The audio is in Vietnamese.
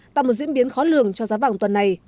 tạo một diễn biến khó lường cho giá vàng tuần này